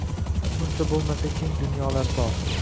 Buncha bulmasa keng dunyolar tor